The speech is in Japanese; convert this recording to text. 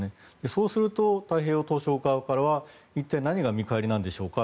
そうすると太平洋島しょ国側からは一体、何が見返りなんでしょうか？